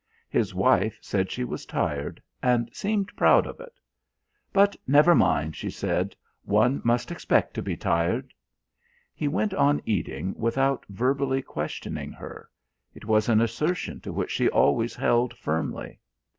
His wife said she was tired and seemed proud of it. "But never mind," she said, "one must expect to be tired." He went on eating without verbally questioning her; it was an assertion to which she always held firmly.